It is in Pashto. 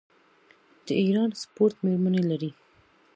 د ایران سپورټ میرمنې لري.